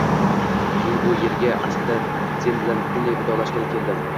Men bu erga aslida sen bilan butunlay vidolashgani keldim